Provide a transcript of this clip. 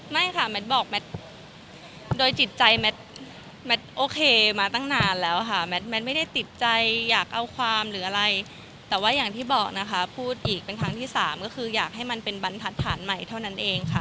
ไม่ค่ะแมทบอกแมทโดยจิตใจแมทแมทโอเคมาตั้งนานแล้วค่ะแมทไม่ได้ติดใจอยากเอาความหรืออะไรแต่ว่าอย่างที่บอกนะคะพูดอีกเป็นครั้งที่สามก็คืออยากให้มันเป็นบรรทัดฐานใหม่เท่านั้นเองค่ะ